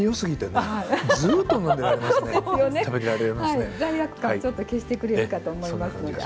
罪悪感ちょっと消してくれるかと思いますので。